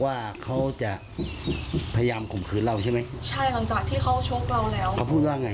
ว่าเขาจะทราบกวมากไม่ใช่ไหมได้กันถึงข้างจากที่เขาโชคเราแล้วพูดว่าไง